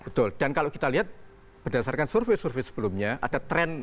betul dan kalau kita lihat berdasarkan survei survei sebelumnya ada tren